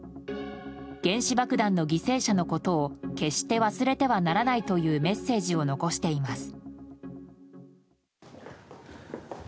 原子爆弾の犠牲者のことを決して忘れてはならないというメッセージを残しています。